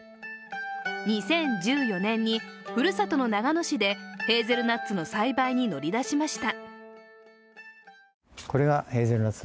２０１４年にふるさとの長野市でヘーゼルナッツの栽培に乗り出しました。